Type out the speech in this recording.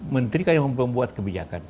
menteri kan yang membuat kebijakan